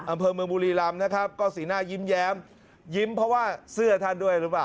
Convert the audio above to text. อำเภอเมืองบุรีรำนะครับก็สีหน้ายิ้มแย้มยิ้มเพราะว่าเสื้อท่านด้วยหรือเปล่า